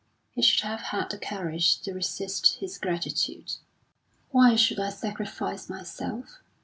He should have had the courage to resist his gratitude. "Why should I sacrifice myself?"